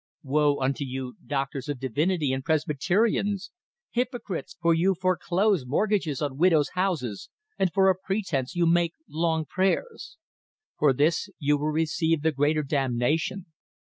Woe unto you, doctors of divinity and Presbyterians, hypocrites! for you foreclose mortgages on widows' houses, and for a pretense you make long prayers. For this you will receive the greater damnation!